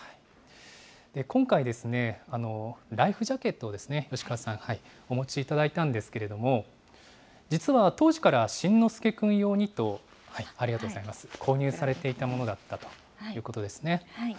今回、ライフジャケットを吉川さん、お持ちいただいたんですけれども、実は当時から慎之介くん用にと、ありがとうございます、購入されていたものだったということですね。